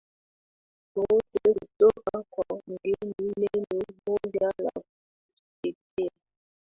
wowote kutoka kwa mgeni Neno moja la kujitetea